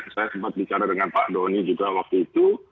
saya sempat bicara dengan pak doni juga waktu itu